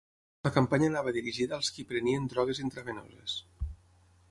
La campanya anava dirigida als qui prenien drogues intravenoses.